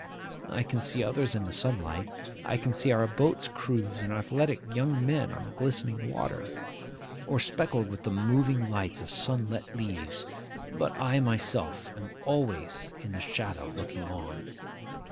I can see others in the sunlight; I can see our boats' crews and our athletic young men on the glistening water, or speckled with the moving lights of sunlit leaves; but I myself am always in the shadow looking on.